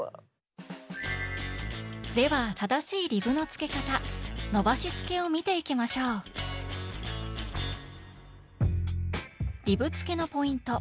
では正しいリブのつけ方「伸ばしつけ」を見ていきましょうリブつけのポイント。